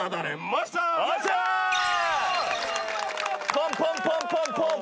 ポンポンポンポンポン！